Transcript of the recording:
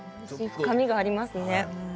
深みがありますね。